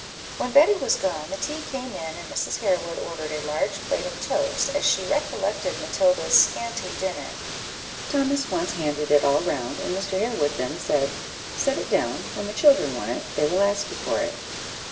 When Betty was gone, the tea came in, and Mrs. Harewood ordered a large plate of toast, as she recollected Matilda's scanty dinner. Thomas once handed it all round, and Mr. Harewood then said "Set it down; when the children want it, they will ask you for it."